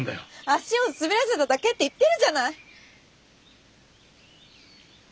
足を滑らせただけって言ってるじゃない！